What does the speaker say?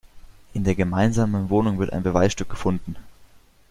In der gemeinsamen Wohnung wird ein Beweisstück gefunden.